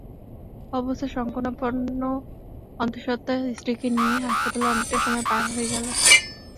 অবস্থা সংকটাপন্ন অন্তঃসত্ত্বা স্ত্রীকে নিয়ে হাসপাতালে অনেকটা সময় পার হয়ে গেল।